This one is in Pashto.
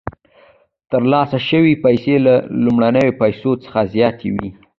ترلاسه شوې پیسې له لومړنیو پیسو څخه زیاتې وي